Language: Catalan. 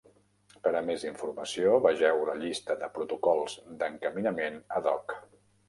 Per a més informació, vegeu la llista de protocols d'encaminament ad hoc.